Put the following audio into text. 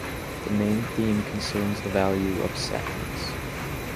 The main theme concerns the value of sacraments.